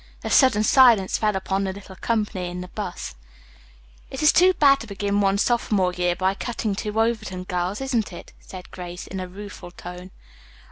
A sudden silence fell upon the little company in the bus. "It is too bad to begin one's sophomore year by cutting two Overton girls, isn't it?" said Grace, in a rueful tone.